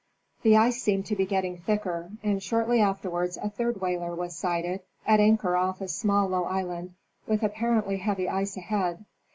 'The ice seemed to be getting thicker, and shortly afterwards a third whaler was sighted, at anchor off a small low island, with apparently heavy ice ahead.